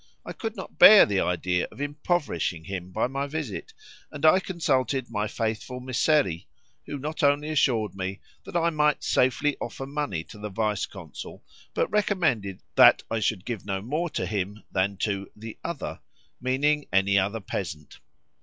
I could not bear the idea of impoverishing him by my visit, and I consulted my faithful Mysseri, who not only assured me that I might safely offer money to the vice consul, but recommended that I should give no more to him than to "the others," meaning any other peasant.